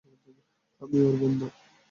আমি ওর বন্ধু।